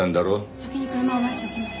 先に車を回しておきます。